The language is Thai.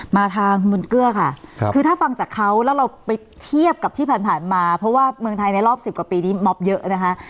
มาทางคุณบุญเกลือค่ะคือถ้าฟังจากเขาแล้วเราไปเทียบกับที่ผ่านมาเพราะว่าเมืองไทยในรอบ๑๐กว่าปีนี้ม็อบเยอะนะคะ